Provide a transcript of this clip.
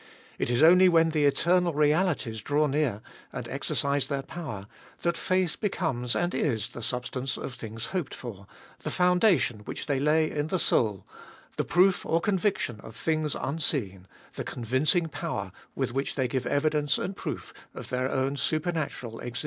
It is only when the eternal realities draw near and exercise their power that faith becomes and is the substance of things hoped for, the foundation which they lay in the soul, the proof or conviction of things unseen, the convincing power with which they give evidence and proof of their own super natural existence.